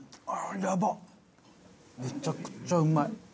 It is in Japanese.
めちゃくちゃうまい！